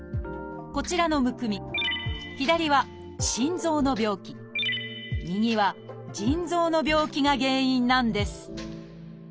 こちらのむくみ左は心臓の病気右は腎臓の病気が原因なんです